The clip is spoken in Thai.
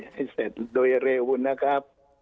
ให้เสร็จโดยเร็วนะครับ